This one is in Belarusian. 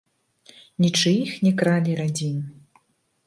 Нічыіх не кралі радзім.